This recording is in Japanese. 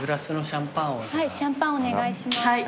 シャンパンお願いします。